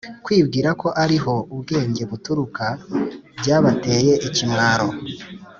kwibwira ko ari ho ubwenge buturuka byabateye ikimwaro.